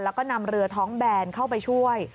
แล้วก็นำเรือท้องแบนเข้าไปช่วย